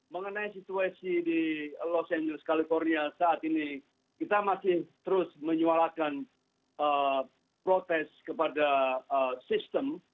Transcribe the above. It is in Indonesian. mengenai situasi di los angeles california saat ini kita masih terus menyuarakan protes kepada sistem